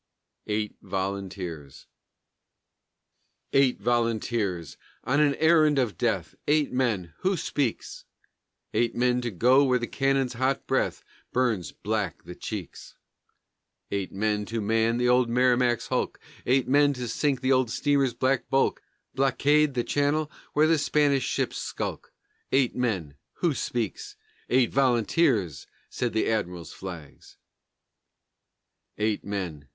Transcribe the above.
EIGHT VOLUNTEERS Eight volunteers! on an errand of death! Eight men! Who speaks? Eight men to go where the cannon's hot breath Burns black the cheeks. Eight men to man the old Merrimac's hulk; Eight men to sink the old steamer's black bulk, Blockade the channel where Spanish ships skulk, Eight men! Who speaks? "Eight volunteers!" said the Admiral's flags! Eight men!